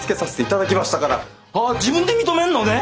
あ自分で認めるのね？